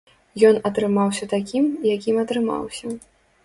Ён атрымаўся такім, якім атрымаўся.